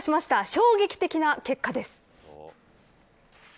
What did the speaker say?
衝撃的な結果です。